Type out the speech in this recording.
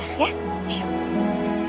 ada yang bisa tahu